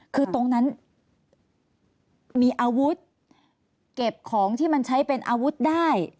คือตรงนั้นมีอาวุธเก็บของที่มันใช้เป็นอาวุธได้